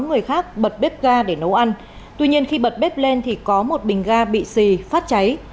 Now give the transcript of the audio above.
chị nguyễn thị thơ đã bị bỏng bật bếp ga để nấu ăn tuy nhiên khi bật bếp lên thì có một bình ga bị xì phát cháy